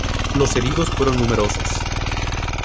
Los heridos fueron numerosos.